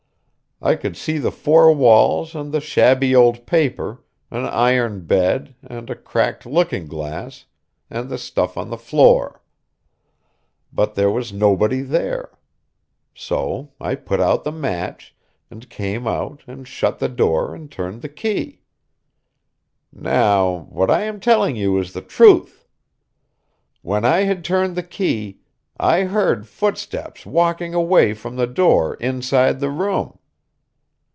I could see the four walls and the shabby old paper, an iron bed and a cracked looking glass, and the stuff on the floor. But there was nobody there. So I put out the match, and came out and shut the door and turned the key. Now, what I am telling you is the truth. When I had turned the key, I heard footsteps walking away from the door inside the room.